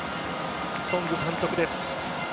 ソング監督です。